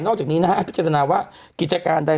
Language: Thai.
นอกจากนี้ภัยพิชานาวะกิจกรรมใด